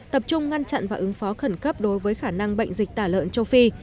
tập trung ngăn chặn và ứng phó khẩn cấp đối với khả năng bệnh dịch tả lợn châu phi